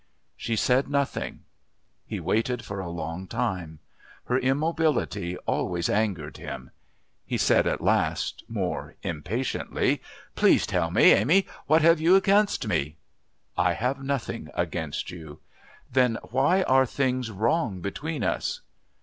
She said nothing. He waited for a long time. Her immobility always angered him. He said at last more impatiently. "Please tell me, Amy, what you have against me." "I have nothing against you." "Then why are things wrong between us?"